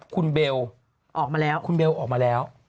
คุณเบลออกมาแล้วคุณเบลออกมาแล้ว